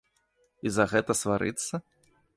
І за гэта сварыцца?